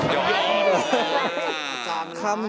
ทำคำ